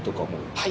はい！